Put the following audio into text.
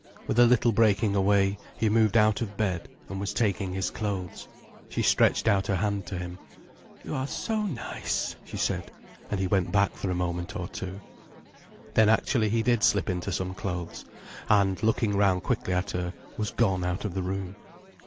With a little breaking away, he moved out of bed, and was taking his clothes. She stretched out her hand to him. "You are so nice," she said, and he went back for a moment or two. Then actually he did slip into some clothes, and, looking round quickly at her, was gone out of the room.